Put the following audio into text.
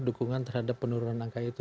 dukungan terhadap penurunan angka itu